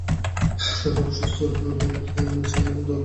তাঁর অসুখ লেগেই রয়েছে, কিন্তু অর্থের অভাবে চিকিৎসা করাতে পারেন না।